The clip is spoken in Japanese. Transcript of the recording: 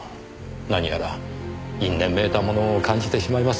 何やら因縁めいたものを感じてしまいますねぇ。